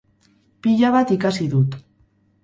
Pila bat ikasi dut.